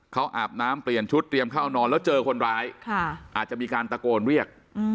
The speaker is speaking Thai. เขาอาบน้ำเปลี่ยนชุดเตรียมเข้านอนแล้วเจอคนร้ายอาจจะมีการตะโกนเรียก